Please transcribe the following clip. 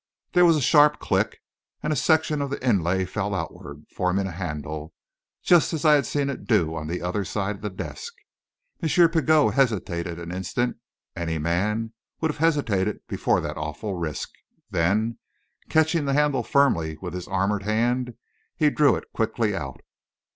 There was a sharp click, and a section of the inlay fell outward, forming a handle, just as I had seen it do on the other side of the desk. M. Pigot hesitated an instant any man would have hesitated before that awful risk! then, catching the handle firmly with his armoured hand, he drew it quickly out.